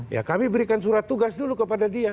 ya kami berikan surat tugas dulu kepada dia